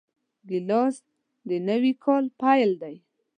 ګیلاس د نوي کاله پیل دی.